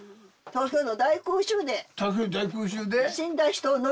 東京の大空襲で。